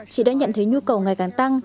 chị đã nhận thấy nhu cầu ngày càng tăng